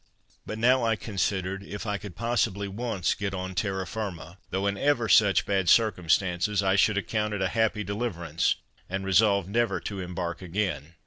But now I considered, if I could possibly once get on terra firma, though in ever such bad circumstances, I should account it a happy deliverance, and resolved never to embark again.